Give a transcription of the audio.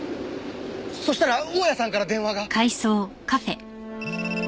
そしたら大屋さんから電話が。